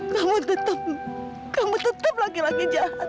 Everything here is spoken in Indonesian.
kamu tetap kamu tetap laki laki jahat